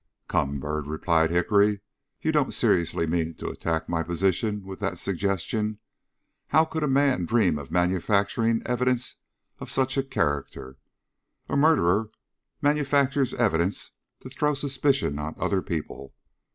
"Come, Byrd," replied Hickory, "you don't seriously mean to attack my position with that suggestion. How could a man dream of manufacturing evidence of such a character? A murderer manufactures evidence to throw suspicion on other people.